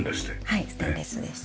はいステンレスです。